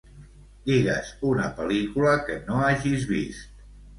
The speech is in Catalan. Digues una pel·lícula que no hagis vist.